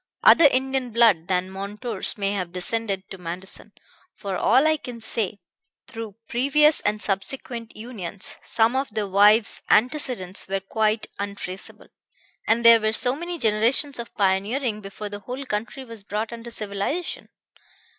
Other Indian blood than Montour's may have descended to Manderson, for all I can say, through previous and subsequent unions; some of the wives' antecedents were quite untraceable, and there were so many generations of pioneering before the whole country was brought under civilization.